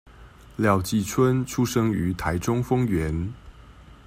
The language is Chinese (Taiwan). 廖繼春出生於台中豐原